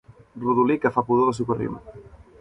Rodolí que fa pudor de socarrim.